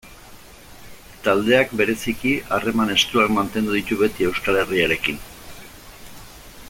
Taldeak, bereziki, harreman estuak mantendu ditu beti Euskal Herriarekin